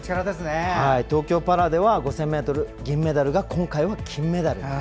東京パラでは５０００ｍ、銀メダルが今回は金メダルと。